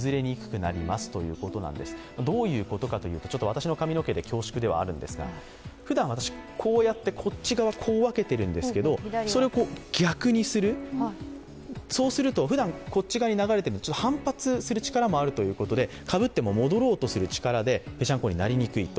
私の髪の毛で恐縮ではございますが、ふだんは私、こっち側にこう分けているんですけど、それを逆にする、そうするとふだんこっち側に流れても反発する力もあるということで、かぶっても戻ろうとする力でぺしゃんこになりにくいと。